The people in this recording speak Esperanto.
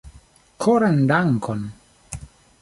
Koran dankon